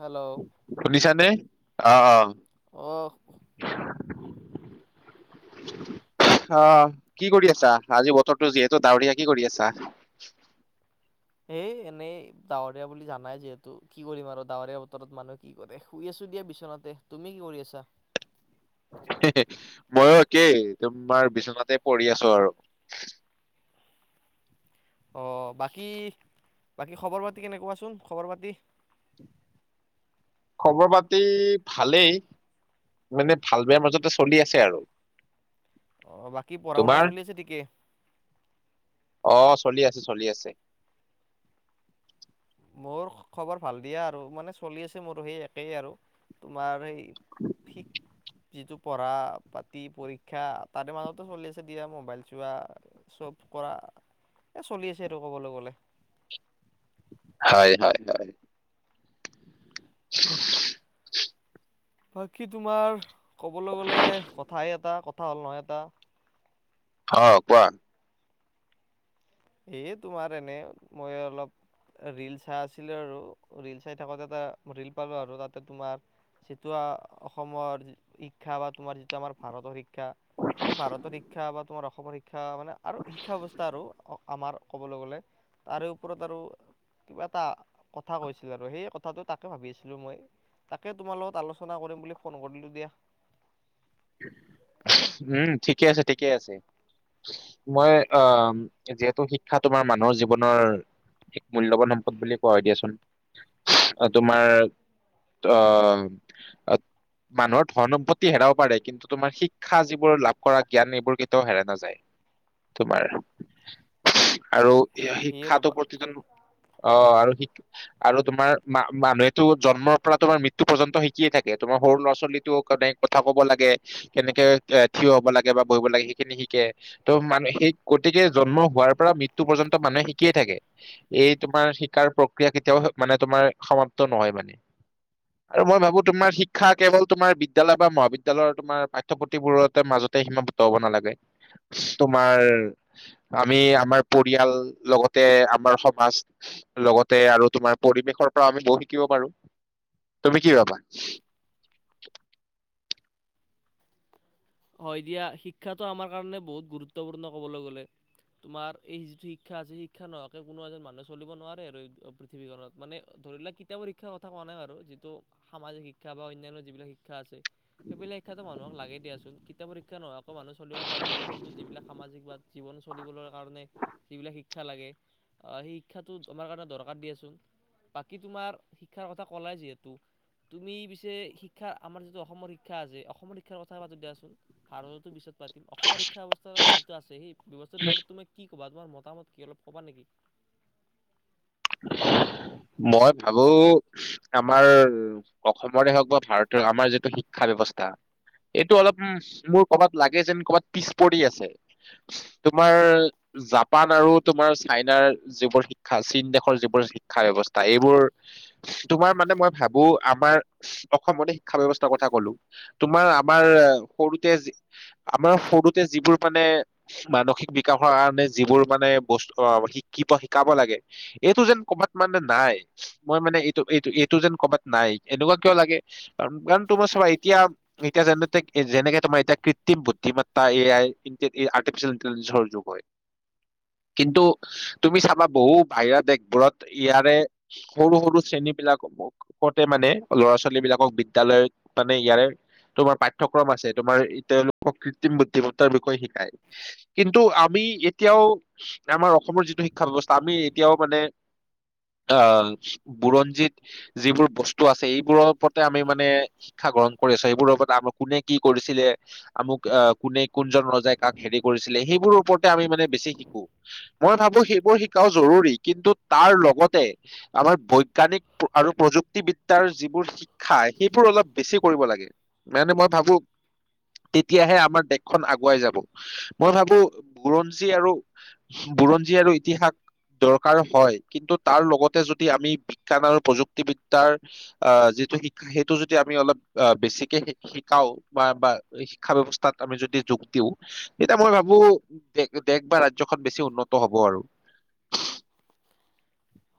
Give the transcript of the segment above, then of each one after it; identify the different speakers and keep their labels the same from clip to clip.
Speaker 1: Hello
Speaker 2: শুনিছানে? অ' অ'
Speaker 1: অ'
Speaker 2: অ' কি কৰি আছা? আজি বতৰটো যিহেতু ডাৱৰীয়া কি কৰি আছা?
Speaker 1: হেই এনেই ডাৱৰীয়া বুলি জানাই যিহেতু কি কৰিম আৰু ডাৱৰীয়া বতৰত মানুহে কি কৰে শুই আছো দিয়া বিচনাতে, তুমি কি কৰি আছা?
Speaker 2: মইয়ো একেই তোমাৰ বিচনাতে পৰি আছো আৰু,
Speaker 1: অ' বাকী বাকী খবৰ পাতি কেনেকুৱাচোন খবৰ পাতি?
Speaker 2: খবৰ পাতি ভালেই মানে ভাল বেয়া মাজতে চলি আছে আৰু।
Speaker 1: অ বাকী পঢ়া শুনা
Speaker 2: তোমাৰ?
Speaker 1: চলি আছে ঠিকে?
Speaker 2: অ', চলি চলি আছে।
Speaker 1: মোৰ খবৰ ভাল দিয়া আৰু মানে চলি আছে মোৰ সেই একেই আৰু তোমাৰ সেই [unintelligible] যিটো পঢ়া পাতি পৰীক্ষা তাৰে মাজতে চলি আছে দিয়া মোবাইল চোৱা চব কৰা এ চলি আছে আৰু ক'বলৈ গ'লে।
Speaker 2: হয় হয় হয়। [inaudible]
Speaker 1: [unintelligible]
Speaker 2: অ কোৱা?
Speaker 1: এ তোমাৰ এনে মই অলপ ৰিল চাই আছিলো আৰু ৰিল চাই থাকোতে এটা ৰিল পালো আৰু তাতে তোমাৰ চিটোৱা অসমৰ শিক্ষা বা তোমাৰ যিটো আমাৰ ভাৰতৰ শিক্ষা শিক্ষা এ ভাৰতৰ শিক্ষা বা তোমাৰ অসমৰ শিকা শিক্ষা মানে আৰু শিক্ষা ব্যৱস্থা আৰু আমাৰ ক'বলৈ গ'লে তাৰে ওপৰত আৰু কিবা এটা আমাৰ কবলৈ গলে তাৰে ওপৰত আৰু কিবা এটা কথা কৈছিল আৰু সেই কথাটো তাকে ভাবি আছিলোঁ মই তাকে তোমাৰ লগত আলোচনা কৰিম বুলি ফোন কৰিলো দিয়া
Speaker 2: উম ঠিকে আছে ঠিকেই আছে মই আহ যিহেতু শিক্ষা তোমাৰ মানুহৰ জীৱনৰ এক মূল্যৱান সম্পদ বুলি কোৱা দিয়াচোন তোমাৰ আ মানুহৰ ধন সম্পত্তি হেৰাব প কিন্তু তোমাৰ শিক্ষা যিবোৰ লাভ কৰা জ্ঞান এইবোৰ কেতিয়াও হেৰাই নাযায় তোমাৰ আৰু
Speaker 1: সে- সেয়ে
Speaker 2: শিক্ষাটো
Speaker 1: ৰ'বা
Speaker 2: প্ৰতিজন লোকে অ আৰু শিক আৰু তোমাৰ মা মানুহেতো জন্মৰ পৰা তোমাৰ মৃত্যু পৰ্যন্ত শিকিয়ে থাকে তোমাৰ সৰু ল'ৰা ছোৱালীতো কেনে কথা কব লাগে কেনেকে থিয় হব লাগে বা বহিব লাগে সেইখিনি শিকে ত' মান সেই গতিকে জন্ম হোৱাৰ পৰা মৃত্্যু পৰ্যন্ত মানুহে শিকি তোমাৰ পাঠ্যপুথিবোৰতে মাজতে সীমাবদ্ধ হব নালাগে তোমাৰ আমি আমাৰ পৰিয়াল লগতে আমাৰ সমাজ লগতে আৰু পৰিবেশৰ পৰা বহোত শিকিব পাৰু। তুমি কি ভাবা?
Speaker 1: হয় দিয়া শিক্ষাটো আমাৰ কাৰণে বহুত গুৰুত্বপূৰ্ণ কবলৈ গলে তোমাৰ এই যিটো শিক্ষা আছে শিক্ষা নোহোৱাকে কোনো এজন মানুহ চলিব নোৱাৰে এই পৃথিৱীখনত মানে ধৰিলো সেইতু পৰীক্ষাৰ কথা কোৱা নাই বাৰু যিতু সামাজিক শিক্ষা বা অনান্য যিতু শিক্ষা আছে। [unintelligible] লাগে দিয়া চোন। কিতাপ পৰীক্ষা নোহোৱাকৈ মানুহ চলিব পাৰিব কিন্তু যিবিলাক সামাজিক বা জীৱন চলিবলৈ কাৰণে যিবিলাক শিক্ষা লাগে সেই শিক্ষাটো তোমাৰ কাৰণে দৰকাৰ দিয়াচোন বাকী তোমাৰ [inaudible] পাতিম অসমৰ শিক্ষা ব্যবস্থা বা তোমাৰ মতামত কি অলপ ক'বা নেকি?
Speaker 2: মই ভাবো আমাৰ অসমৰে হওক বা ভাৰতে হওক আমাৰ যিটো শিক্ষা ব্যৱস্থা এইটো অলপ মোৰ কৰ'বাত লাগে যেন ক'বাত পিছ পৰি আছে তোমাৰ জাপান আৰু তোমাৰ চাইনাৰ যিবোৰ শিক্ষা চীনদেশ সৰ যিবোৰ শিক্ষা ব্যৱস্থা এইবোৰ তোমাৰ মানে মই ভাবো আমাৰ অসমতে শিক্ষা ব্যৱস্থাৰ কথা কলো তোমাৰ আমাৰ সৰুতে যিবোৰ মানে মানসিক বিকাশৰ কাৰণে যিবোৰ মানে বস্তু শিকিব শিকাব লাগে এইটো যেন কবাত মানে নাই মই মানে এইটো এইটো এইটো যেন কবাত নাই এনেকুৱা কিয় লাগে কাৰণ কাৰণ তোমাৰ চাবা এতিয়া যে যেনেকে তোমাৰ কৃত্ৰিম বুদ্ধিমত্তাৰ জোগ হয়। কিন্ত তুমি চাপা বহো বহিৰা দেশ বাত য়াৰে শৰো শৰো বিলাক [unintelligible] লৰা ছোৱালী বিলাকক বিদ্যালয়ত মানে ৱাৰে আমাৰ অসমৰ যিটো শিক্ষা ব্যৱস্থা আমি কিও মানে অ বোৰনজিত জিবোৰ বচতো আচে এই বোৰৰ ওপৰতে আমি শিক্ষা গ্ৰহণ কৰি আছো মেই বোৰৰ ওপৰত কোনে কি কৰিছিলে আমোক কোন জন ৰজাই কাক হৰি কৰিছিলে মেইবোৰৰ ওপৰতে আমি বেছি শিকো। ময় ভাবো মেইবোৰ শিকাও জৰুৰী কিন্তু তাৰ লগতে আমাৰ বৈজ্ঞানিক আৰু প্ৰযুক্তিবিদ্যাৰ যিবোৰ শিক্ষা সেইবোৰ অলপ বেছি কৰিব লাগে মানে মই ভাবো তেতিয়াহে আমাৰ দেশখন আগুৱাই যাব মই ভাবো বুৰঞ্জী আৰু বুৰঞ্জী আৰু ইতিহাস দৰকাৰ হয়। কিন্তু তাৰ লগতে যদি আমি বিজ্ঞান আৰু প্ৰযুক্তিবিদ্যাৰ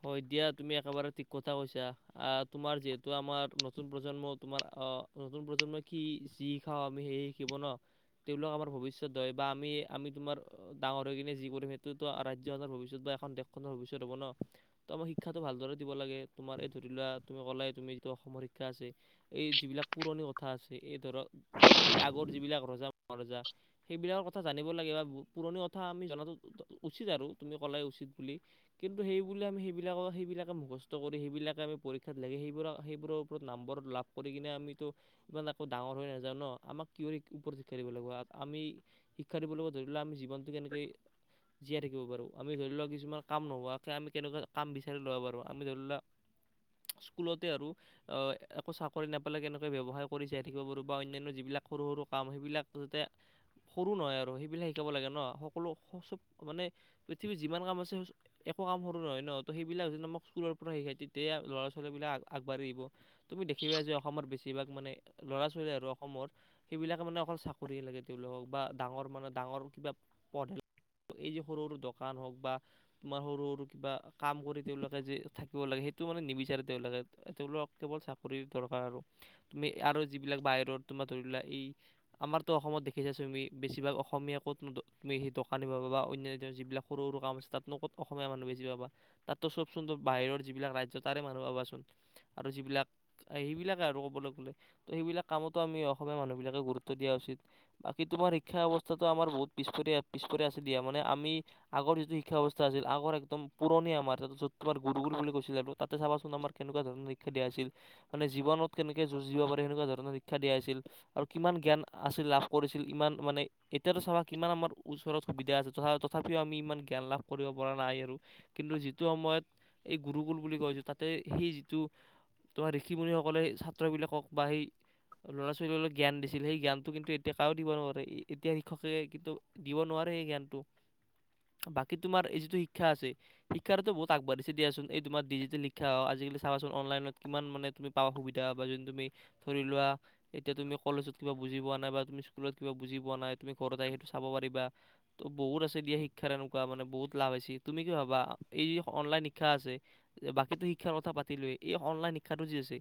Speaker 1: হয় দিয়া তুমি একেবাৰে ঠিক কথা কৈছা আ তোমাৰ যিহেতু আমাৰ নতুন প্ৰজন্ম তোমাৰ অ নতুন প্ৰজন্মই কি যি খাও আমি সেই শিকিব ন তেওঁলোক আমাৰ ভৱিষ্যত হয় বা আমি আমি তোমাৰ ডাঙৰ হৈ কিনে যি কৰিম সেইটোতো আৰাজ্যখনৰ ভৱিষ্যত বা এখন দেশখনৰ ভৱিষ্যত হ'ব ন। ত আমাৰ শিক্ষাটো ভালদৰে দিব লাগে, তোমাৰ এই ধৰি লোৱা তুমি কলাই তুমি যিটো অসমৰ শিক্ষা আছে, এই যিবিলাক পুৰণি কথা আছে এই ধৰক এই আগৰ যিবিলাক ৰজা ৰজা সেইবিলাকৰ কথা জানিব লাগে বা পুৰণি কথা আমি জনাতো উচিত আৰু তুমি কলাই উচিত বুলি কিন্তু। সেইবুলি আমি সেইবিলাকৰ সেইবিলাকে মুখস্থ কৰি সেইবিলাকে আমি পৰীক্ষাত লাগে সেইবোৰা সেইবোৰৰ ওপৰত নম্বৰ লাভ কৰি কিনে আমিতো ইমান একো ডাঙৰ হৈ নাযাওঁ ন। আমাক কিয়ৰ ওপৰত শিক্ষা দিব লাগিব আমি শিক্ষা দিব লাগিব ধৰিলো আমি জীৱনটো কেনেকৈ জীয়াই থাকিব পাৰোঁ। আমি ধৰিলো কিছুমান কাম নোহোৱা আমি কেনেকুৱা কাম বিচাৰি ল'ব পাৰো আমি ধৰি লোৱা স্কুলতে আৰু একো চাকৰি নাপালে কেনেকে ব্য্ৱসায় কৰি চাই থাকিব পাৰো বা অন্যান্য যিবিলাক সৰু সৰু কাম সেইবিলাক যাতে সৰু নহয় আৰু সেইবিলাক শিকাব লাগে ন সকলো সব মানে পৃথিৱীৰ যিমান কাম আছে। একো কাম সৰু নহয়, ন ত সেইবিলাক যে আমাক স্কুলৰ পৰা শিকাই তেতিয়া ল'ৰা ছোৱালীবিলাক আগবাঢ়িব তুমি দেখিবা যে অসমৰ বেছিভাগ মানে ল'ৰা ছোৱালী আৰু অসমৰ সেইবিলাকে মানে অকল চাকৰি লাগে, তেওঁলোকক বা ডাঙৰ মানে ডাঙৰ কিবা পঢ় এই যে সৰু সৰু দোকান হওক বা- তোমাৰ সৰু সৰু কিবা কাম কৰি তেওঁলোকে যে থাকিব লাগে, সেইটো মানে নিবিচাৰে তেওঁলোকে তেওঁলোক কেৱল চাকৰি দৰকাৰ আৰু তুমি আৰু যিবিলাক বাহিৰত তোমাৰ ধৰি লা এই আমাৰতো অসমত দেখিছা তুমি বেছিভাগ অসমীয়াকো তুমি সেই দোকানী বা অন্যান্য যিবিলাক সৰু সৰু কাম আছে তাতনোত অসমীয়া মানুহ বেছি পাবা, তাতো চবচোন ত বাহিৰৰ যিবিলাক ৰাজয় তাৰে মানুহ পাবাচোন আৰু যিবিলাক সেইবিলাকে আৰু ক'বলৈ গ'লে ত' সেইবিলাক কামতো আমি অসমীয়া মানুহবিলাকে গুৰুত্ব দিয়া উচিত, বাকী তোমাৰ শিক্ষা ব্যৱস্থাতটো আমাৰ বহুত পিছ পিছপৰি আছে দিয়া মানে আমি আগৰ যিটো শিক্ষা ব্যৱস্থা আছিল আগৰ একদম পুৰণি আমাৰ ত য'ত তোাৰ গুৰুকুল বুলিছিলে আৰু তাত চাবাচোন আমাৰ কেনেকুৱা ধৰণৰ শিক্ষা দিয়া হৈছিল মানে জীৱনত কেনেকে যুঁজিব পাৰে সনেকুৱা ধৰণৰ শিক্ষা দিয়া আছিল, আৰু কিমান জ্ঞান আছিল লাভ কৰিছিল ইমান মানে এতিয়া চাবা কিমান আমাৰ ওচৰত সুবিধা আছিল তথাপিও আমি ইমান জ্ঞান লাভ কৰিব পৰা নাই আৰু, কিন্তু যিটো সময়ত এই গুৰুকুল বুলি কৈছোঁ তাতে সেই যিটো তোমাৰ ঋষি মুনসকলে ছাত্ৰবিলাকক বা সেই ল'ৰা ছোৱালীক জ্ঞান দিছিল সেই জ্ঞানটো কিন্তু এতিয়া কাো দিব নোৱাৰে এতিয়া শিক্ষকে কিন্তু দিব নোৱাৰে সেই জ্ঞানটো কি তমাৰ যিটো শিক্ষা আছে শিক্ষাতটো বহুত আগবাঢ়িছে দিয়াচোন এই তোমাৰ ডিজিটেল শিক্ষা হ আজিকালি চোন অনলাইনত কিমান মানে তুমি পাবা সুবিধা বা যোন তুমি ধৰি লোৱা এতিয়া তুমি কলেজত কিবা বুজি পোৱা নাই বা তুমি স্কুলত কিবা বুজি পোৱা নাই তুমি কৰতাই সেইটো চাব পাৰিবা ত বহু আছে দিয়া শিক্ষাৰ মানে বহুত লাভ আছে, তুমি কি ভাবা এই যি অনলাইন শিক্ষা আছে বাকী শিক্ষাৰ কথা পাতিলোঁ এই অনলাইন শিক্ষাটো যি আছে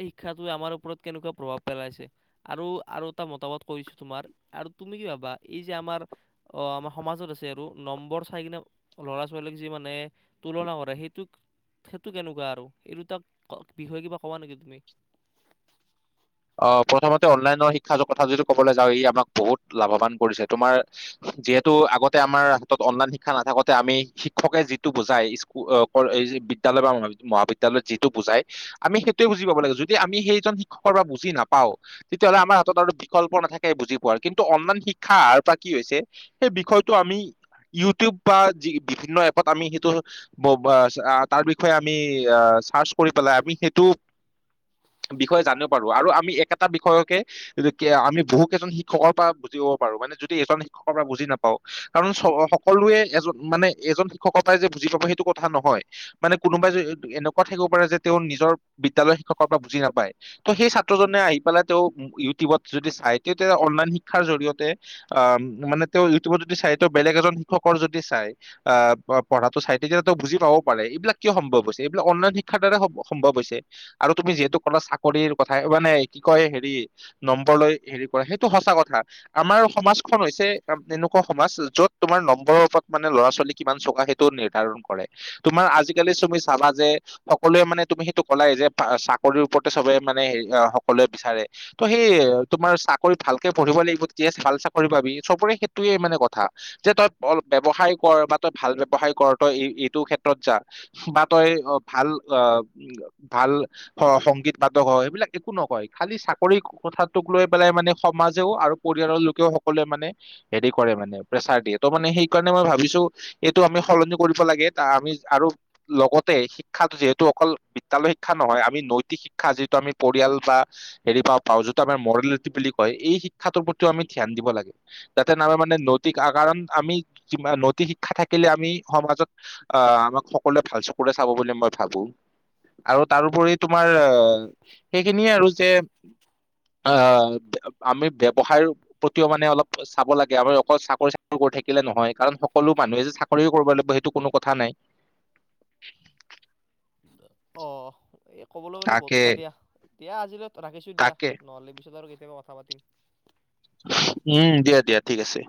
Speaker 1: এই শিক্ষাৱে আমাৰ ওপৰত কেনেকুৱা প্ৰভাৱ পেলাইছে আৰু আৰু এটা মতামত কৰিছো তোমাৰ আৰু তুমি কি ভাবা এই যে আমাৰ অ আমাৰ সমাজত আছে আৰু নম্বৰ চাই কিনে ল'ৰা ছোৱালীক যি মানে তুলনা কৰে সেইটো সেইটো কেনেকুৱা আৰু এই দুটাক বিষয়ে কিবা হবা নেকি তুমি
Speaker 2: অ প্ৰথমতে অনলাইনৰ শিক্ষা কথা যদি কবলৈ যাওঁ ই আমাক বহুত লাভৱান কৰিছে তোমাৰ যিহেতু আগতে আমাৰ হাতত অনলাইন শিক্ষা নাথাকোতে আমি শিক্ষকে যিটো বুজাই স্ বিদ্যালয় বা মহাবিদ্যালয়ত যিটো বুজাই আমি সেইটোয়ে বুজ পাব লাগে যদি আমি সেইজন শিক্ষকৰ বা বি নাপাও তেতিয়াহলে আমাৰ হাতত আৰু বিকল্প নাথাকে বুজি পোৱাৰ, কিন্তু অনলাইন শিক্ষা পৰা কি হৈছে সেই বিষয়টো আমি ইউটিউব বা বিভিন্ন এপত আমি সেইটো তাৰ বিষয়ে আমি চাৰ্চ কৰি পেলাই আমি সেইটো বিষয়ে জানিব পাৰ আৰু আমি একটা বিষয়কে আমি বহুক কেইজন শিক্ষকৰ পৰা বুজিব পাৰো, মানে যদি এজন শিক্ষকৰ পৰা বুজি নাপাও কাৰণ সকলোৱে এজন মানে এজন শিক্ষকৰ পৰাই যে বুজি পাব সেইটো কথা নহয় মানে কোনোবাই য এনেকুৱা থাকিব পাৰে যে তেওঁ নিজৰ বিদ্য়ালয়ৰ শিক্ষকৰ পৰা বুজি নাপায়। ত সেই ছাত্ৰজনে আহি পেলাই তেওঁ ইউটিউবত যদি চাই তেতিয়া অনলাইন শিক্ষাৰ জৰিয়তে অ মানে তেওঁ ইউটিউবত যদি চাই তেওঁ বেলেগ এজন শিক্ষকৰ যদি চাই আহ পঢ়াটো চাই তেতিয়া তেওঁ বুজি পাবও পাৰে এইবিলাক কিয় সম্ভৱ হৈছে এইবিলাক অনলাইন শিক্ষাৰ দ্বাৰা সম্ভৱ হৈছে আৰু তুমি যিহেতু কল মানে কি কয় হেৰি নম্বৰ লৈ হেৰি কৰে সেইটো সঁচা কথা আমাৰ সমাজখন হৈছে এনেকুৱা সমাজ যত তোমাৰ নম্বৰৰ ওপৰত মানে ল'ৰা ছোৱালী কিমান চোকা সেইটো নিৰ্ধাৰণ কৰে, তোমাৰ আজিকালি তুমি চাবা যে সকলোৱে মানে তুমি সেইটো কলাই যে চাকৰিৰ ওপৰত চবে মানে হে সকলোৱে বিচাৰে ত সেই তোমাৰ চাকৰি ভালকে পঢ়িব লাগিব ভাল চাকৰি পাবি চবৰে সেইটয়ে মানে কথা যে তই ব্যৱসায় কৰ বা তই ভাল ব্যৱসায় কৰ তই এইটো ক্ষেত্ৰত যা বা তই ভাল অ ভাল সংগীত বাধ সেইবিলাক একো নকয় খালি চাকৰি কথাটোক লৈ পেলাই মানে সমাজেও আৰু পৰিয়ালৰ লোকেও সকলোৱে মানে হেৰি কৰে মানে প্ৰেচাৰ দিয়ে ত' মে সেইকাৰণে মই ভাবিছো এইটো আমি সলনি কৰিব লাগে ত আমি আৰু লগতে শিক্ষা যিহেতু অকল বিদ্যালয় শিক্ষা নহয় আমি নৈতিক শ শিক্ষা যিটো আমি পৰিয়াল বা হেৰি বা পাওঁ যিটো আমাৰ মৰেলিটি বুলি কয় এই শিক্ষাৰ প্ৰতিও আমি ধ্যান দিব লাগে, যাতে নহ মানে নৈতিক কাৰণ আমি নৈতিক শিক্ষা থাকিলে আমি সমাজত আহ আমাক সকলোৱে ভাল চকুৰে চাব বুলি মই ভাবো আৰু তাৰোপৰি তোমাৰ সেইখিনিয়ে আৰু যে আহ আমি ব্যৱসায় প্ৰতিও মানে অলপ চাব লাগে, আমি অকল চাকৰি চাকৰি কৰি থাকিলে নহয় কাৰণ সকলো মানুহে যে চাকৰিও কৰিব লাগিব সেইটো কোনো কথা নাই।
Speaker 1: অ এ ক'বলৈ গ'লে
Speaker 2: তাকে
Speaker 1: বত্তা দিয়া এতিয়া আজিলৈ ত ৰাখিছো দিয়া
Speaker 2: তাকে
Speaker 1: নহলে পিছত কে কথা পাতিম
Speaker 2: উম দিয়া দিয়া ঠিক আছে।